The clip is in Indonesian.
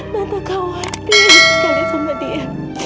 maka khawatir sekali sama dia